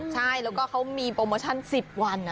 ใช่แล้วก็เขามีโปรโมชั่น๑๐วัน